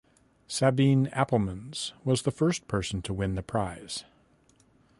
Sabine Appelmans was the first person to win the prize.